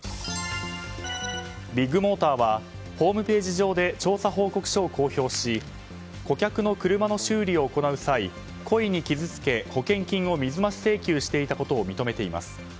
ビッグモーターはホームページ上で調査報告書を公表し顧客の車の修理を行う際故意に傷つけ、保険金を水増し請求していたことを認めています。